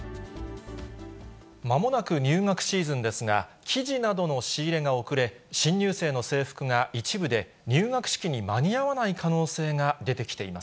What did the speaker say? まもなく入学シーズンですが、生地などの仕入れが遅れ、新入生の制服が一部で入学式に間に合わない可能性が出てきていま